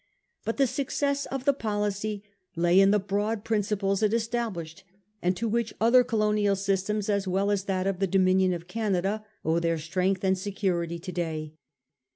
But the success of the policy lay in the broad principles it established, and to which other colonial systems as well as that of the Dominion of Canada owe their strength and security to day.